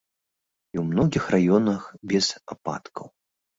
І ў многіх раёнах без ападкаў.